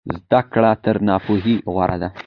زده کړه تر ناپوهۍ غوره ده.